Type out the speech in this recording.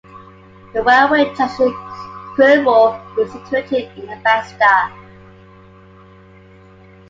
The railway junction Krylbo is situated in Avesta.